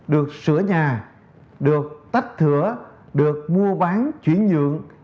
được sửa nhà được tách thửa được mua bán chuyển nhượng